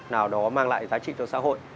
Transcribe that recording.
nào đó mang lại giá trị cho xã hội